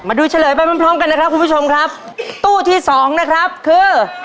ดูเฉลยไปพร้อมพร้อมกันนะครับคุณผู้ชมครับตู้ที่สองนะครับคือ